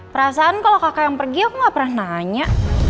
perasaan kalau kakak yang pergi aku gak pernah nanya